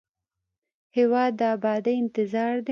هېواد د ابادۍ انتظار دی.